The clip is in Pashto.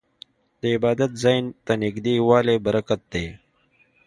د عبادت ځای ته نږدې والی برکت دی.